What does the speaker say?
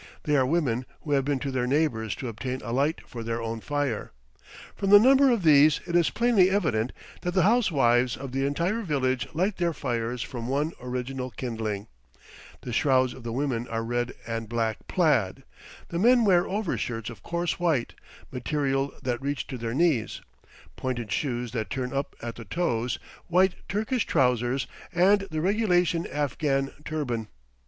They are women who have been to their neighbors to obtain a light for their own fire. From the number of these it is plainly evident that the housewives of the entire village light their fires from one original kindling. The shrouds of the women are red and black plaid; the men wear overshirts of coarse white; material that reach to their knees, pointed shoes that turn up at the toes, white Turkish trousers, and the regulation Afghan turban.